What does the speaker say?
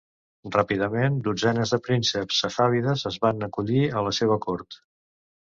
Ràpidament dotzenes de prínceps safàvides es van acollir a la seva cort.